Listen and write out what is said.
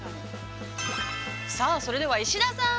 ◆さあそれでは石田さん。